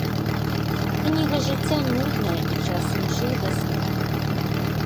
Кніга жыцця нудная і часам жудасная.